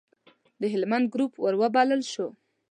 د هلمند ګروپ وروبلل شو.